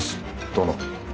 殿。